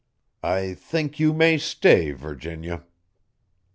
"I think you may stay, Virginia."